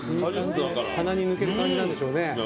鼻に抜ける感じなんでしょうね。